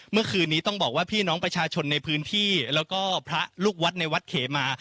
เมื่อคืนนี้ต้องบอกว่าพี่น้องประชาชนในพื้นที่แล้วก็พระลูกวัดในวัดเขมา